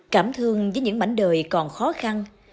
cảm thương với những mảnh đời còn khó khăn